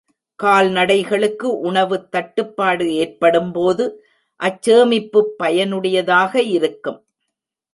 கால்நடைகளுக்கு உணவுத் தட்டுப்பாடு ஏற்படும் போது, அச்சேமிப்புப் பயனுடையதாக இருக்கும்.